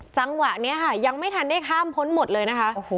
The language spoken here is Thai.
จังหวะนี้ค่ะยังไม่ทันได้ข้ามพ้นหมดเลยนะคะ